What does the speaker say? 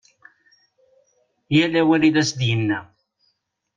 Yal awal i as-d-yenna.